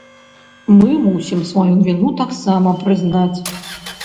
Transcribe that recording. Мы мусім сваю віну таксама прызнаць.